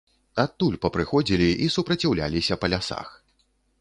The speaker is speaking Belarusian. Адтуль папрыходзілі і супраціўляліся па лясах.